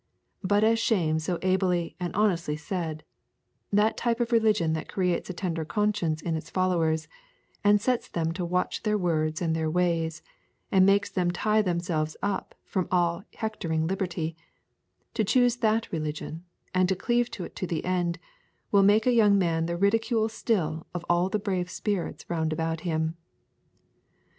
But as Shame so ably and honestly said, that type of religion that creates a tender conscience in its followers, and sets them to watch their words and their ways, and makes them tie themselves up from all hectoring liberty to choose that religion, and to cleave to it to the end, will make a young man the ridicule still of all the brave spirits round about him.